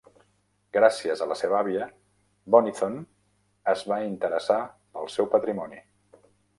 Gràcies a la seva àvia, Bonython es va interessar pel seu patrimoni.